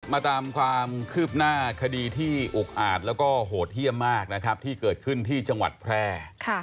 มาตามความคืบหน้าคดีที่อุกอาจแล้วก็โหดเยี่ยมมากนะครับที่เกิดขึ้นที่จังหวัดแพร่